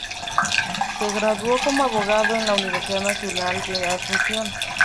Se graduó como abogado en la Universidad Nacional de Asunción.